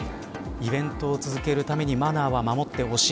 イベントを続けるためにマナーは守ってほしい。